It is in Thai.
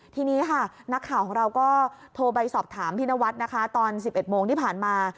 ทีนี้ค่ะนักข่าวของเราก็โทรไปสอบถามพี่นวัดนะคะตอน๑๑โมงที่ผ่านมา